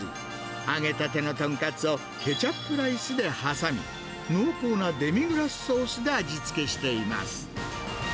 揚げたてのトンカツを、ケチャップライスで挟み、濃厚なデミグラスソースで味付けしています。